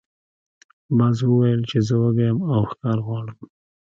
باز وویل چې زه وږی یم او ښکار غواړم.